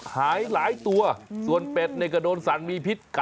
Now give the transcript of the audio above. เอาล่ะเดินทางมาถึงในช่วงไฮไลท์ของตลอดกินในวันนี้แล้วนะครับ